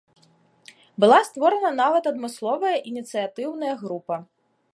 Была створана нават адмысловая ініцыятыўная група.